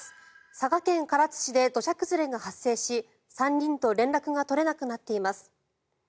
佐賀県唐津市で土砂崩れが発生し３人と連絡が取れなくなっています。